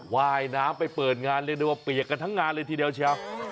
ว่ายน้ำไปเปิดงานเรียกได้ว่าเปียกกันทั้งงานเลยทีเดียวเชียว